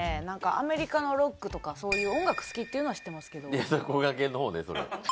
なんかアメリカのロックとかそういう音楽好きっていうのは知ってますけど。